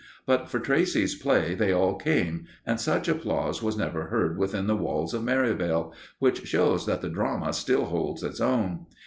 But for Tracey's play they all came, and such applause was never heard within the walls of Merivale; which shows that the drama still holds its own.